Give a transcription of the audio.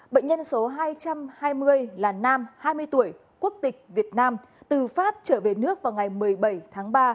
bệnh nhân số hai trăm hai mươi là nam hai mươi tuổi quốc tịch việt nam từ pháp trở về nước vào ngày một mươi bảy tháng ba